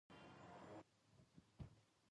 ازادي راډیو د ورزش په اړه د پرانیستو بحثونو کوربه وه.